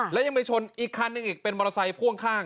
แล้วยังไปชนอีกคันหนึ่งอีกเป็นมอเตอร์ไซค์พ่วงข้าง